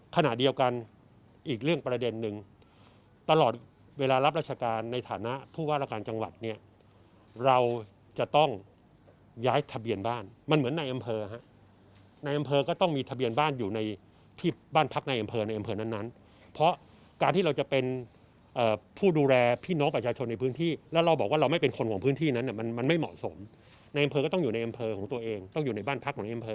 ขณะเดียวกันอีกเรื่องประเด็นนึงตลอดเวลารับราชการในฐานะผู้ว่าราการจังหวัดเนี่ยเราจะต้องย้ายทะเบียนบ้านมันเหมือนในอำเภอนะครับในอำเภอก็ต้องมีทะเบียนบ้านอยู่ในที่บ้านพักในอำเภอในอำเภอนั้นเพราะการที่เราจะเป็นผู้ดูแลพี่น้องประชาชนในพื้นที่แล้วเราบอกว่าเราไม่เป็นคนของพื้นที่นั้นมันไม่เหมาะ